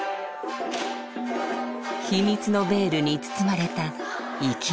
秘密のベールに包まれた粋な世界。